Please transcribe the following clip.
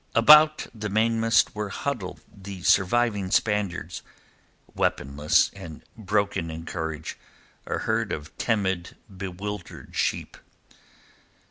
About the mainmast were huddled the surviving Spaniards, weaponless and broken in courage, a herd of timid, bewildered sheep.